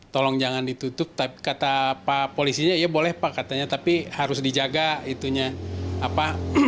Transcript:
tolong jangan ditutup tapi kata pak polisinya ya boleh pak katanya tapi harus dijaga itunya apa